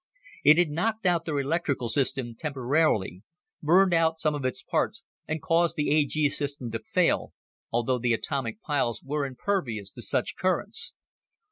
It had knocked out their electrical system temporarily, burned out some of its parts and caused the A G system to fail, although the atomic piles were impervious to such currents.